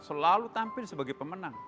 selalu tampil sebagai pemenang